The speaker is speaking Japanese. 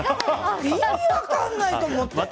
意味分かんないと思って。